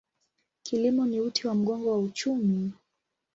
Kilimo ni uti wa mgongo wa uchumi.